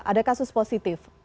ada kasus positif